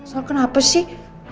mas al kenapa sih